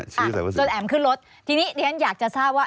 จนแอ๋มขึ้นรถทีนี้เดี๋ยวฉันอยากจะทราบว่า